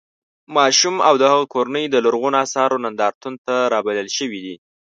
ماشوم او د هغه کورنۍ د لرغونو اثارو نندارتون ته رابلل شوي دي.